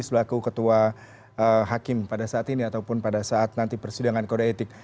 selaku ketua hakim pada saat ini ataupun pada saat nanti persidangan kode etik